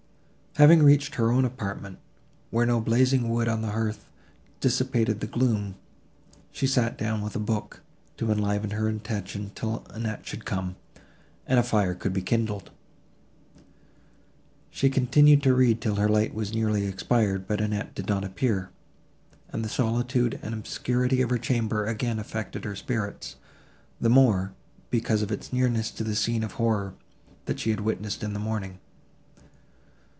Having reached her own apartment, where no blazing wood on the hearth dissipated the gloom, she sat down with a book, to enliven her attention, till Annette should come, and a fire could be kindled. She continued to read till her light was nearly expired, but Annette did not appear, and the solitude and obscurity of her chamber again affected her spirits, the more, because of its nearness to the scene of horror, that she had witnessed in the morning.